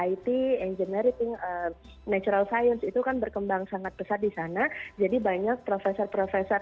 it engineering natural science itu kan berkembang sangat besar di sana jadi banyak profesor profesor